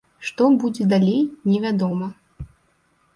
Што будзе далей не вядома.